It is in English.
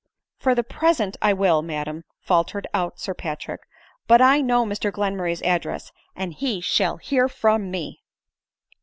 " For the present I will, madam," faltered out Sir Patrick ;" but I know Mr Glenmurray's address, and he shall hear from me."